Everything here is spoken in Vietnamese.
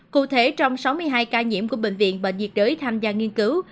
cụ thể trong sáu mươi hai ca nhiễm của bệnh viện bệnh nhiệt đới tham gia nghiên cứu